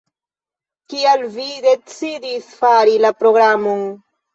Kial vi decidis fari la programon?